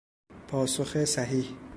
پاسخ صحیح